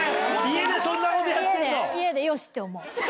家でよし！って思う。